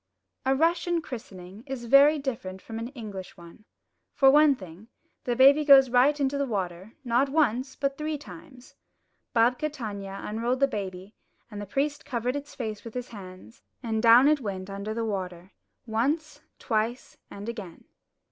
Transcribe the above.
A Russian christening is very different from an English one. For one thing, the baby goes right into the water, not once, but three times. Babka Tanya unrolled the baby, and the priest covered its face with his hand, and down it went under the water, once, twice, and again.